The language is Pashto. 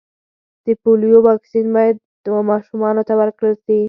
د پولیو واکسین باید و ماشومانو ته ورکړل سي.